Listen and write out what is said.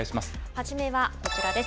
初めはこちらです。